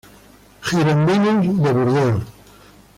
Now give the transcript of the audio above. Girondins de Burdeos